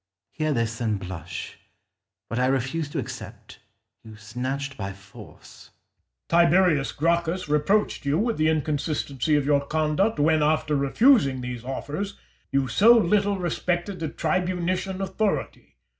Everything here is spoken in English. Hear this, and blush. What I refused to accept, you snatched by force. Caesar. Tiberius Gracchus reproached you with the inconsistency of your conduct, when, after refusing these offers, you so little respected the tribunitian authority.